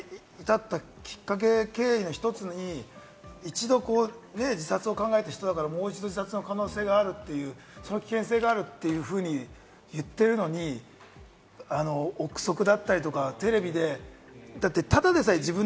逮捕に至ったきっかけ、経緯の一つに、一度自殺を考えた人だから、もう一度、自殺する可能性があるという、その危険性があるというふうに言っているのに、臆測だったりとかテレビで。